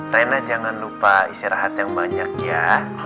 rena jangan lupa istirahat yang banyak ya